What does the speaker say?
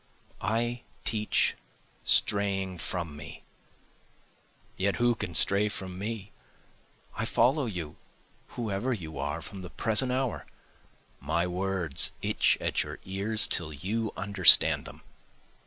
I teach straying from me, yet who can stray from me? I follow you whoever you are from the present hour, My words itch at your ears till you understand them.